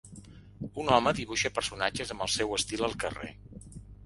Un home dibuixa personatges amb el seu estil al carrer.